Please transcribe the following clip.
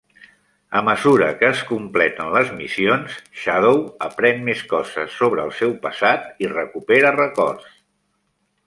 A mesura que es completen les missions, Shadow aprèn més coses sobre el seu passat i recupera records.